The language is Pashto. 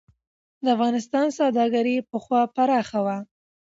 د افغانستان سوداګري پخوا پراخه وه.